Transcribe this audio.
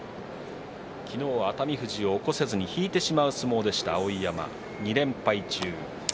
昨日は熱海富士を起こせずに引いてしまう相撲でした碧山２連敗中。